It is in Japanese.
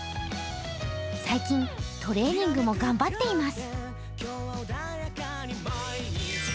最近、トレーニングも頑張っています。